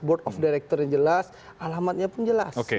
board of directornya jelas alamatnya pun jelas